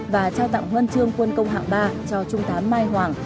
và trao tặng huân chương quân công hạng ba cho trung tá mai hoàng